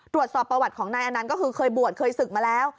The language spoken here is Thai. ตรวจสอบประวัติของนายอนันต์ก็คือเคยบวชเคยศึกมาแล้ว